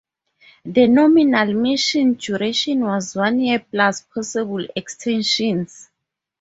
The nominal mission duration was one year plus possible extensions.